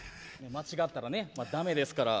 間違ったらだめですから。